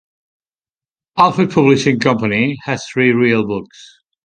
Alfred Publishing Company has three real books.